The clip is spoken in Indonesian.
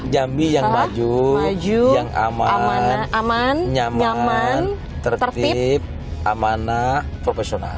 jambi yang maju yang aman aman nyaman tertib amanah profesional